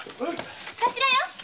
頭よ。